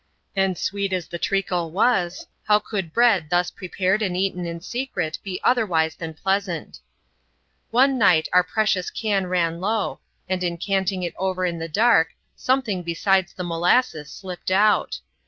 And sweet as the treacle was, how could bread thus prepared and eaten in secret be otherwise than pleasant One night our precious can ran low, and in canting it over in the dark, something besides the molasses slipped out.